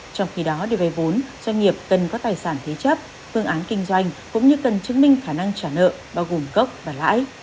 trong khi đó để vay vốn doanh nghiệp cần có tài sản thế chấp phương án kinh doanh cũng như cần chứng minh khả năng trả nợ bao gồm gốc và lãi